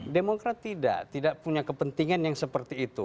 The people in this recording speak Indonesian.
demokrat tidak tidak punya kepentingan yang seperti itu